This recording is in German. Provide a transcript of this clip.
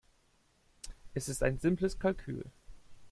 Es ist ein simples Kalkül.